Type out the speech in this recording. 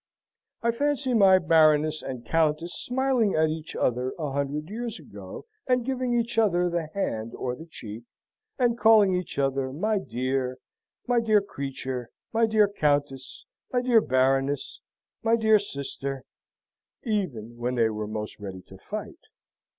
I fancy my Baroness and Countess smiling at each other a hundred years ago, and giving each other the hand or the cheek, and calling each other, My dear, My dear creature, My dear Countess, My dear Baroness, My dear sister even, when they were most ready to fight.